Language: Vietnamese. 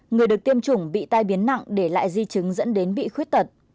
người được tiêm chủng bị tai biến nặng để lại di chứng dẫn đến bị khuyết tật